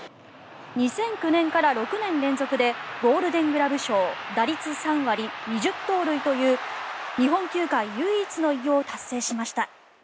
２００９年から６年連続でゴールデングラブ賞打率３割、２０盗塁という日本球界唯一の偉業を達成しました。